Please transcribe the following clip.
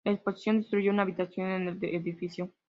La explosión destruyó una habitación en el edificio.